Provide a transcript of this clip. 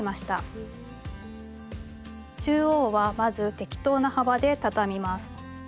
中央はまず適当な幅で畳みます。